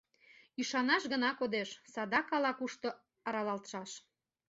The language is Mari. Ӱшанаш гына кодеш, садак ала-кушто аралалтшаш.